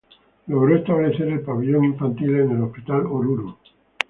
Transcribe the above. Logró establecer el Pabellón Infantil en el Hospital Oruro.